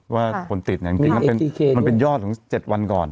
ว่าผลติดอย่างจริงมันเป็นยอด๗วันก่อน